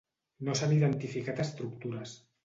No s'han identificat estructures.